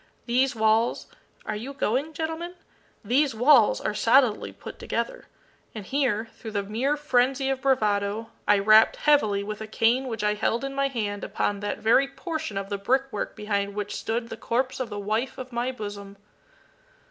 These walls are you going, gentlemen? these walls are solidly put together;" and here, through the mere frenzy of bravado, I rapped heavily with a cane which I held in my hand upon that very portion of the brick work behind which stood the corpse of the wife of my bosom.